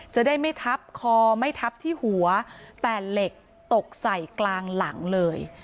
จะได้ไม่ทับคอไม่ทับที่หัวแต่เหล็กตกใส่กลางหลังเลย